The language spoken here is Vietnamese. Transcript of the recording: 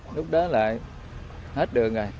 lúc đó là hết đường rồi